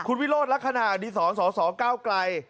คุณวิโรธลักษณะอดีต๒๒๒๙ไกล